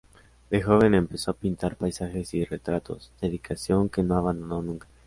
De joven empezó a pintar paisajes y retratos, dedicación que no abandonó nunca.